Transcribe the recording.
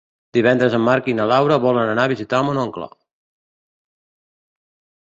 Divendres en Marc i na Laura volen anar a visitar mon oncle.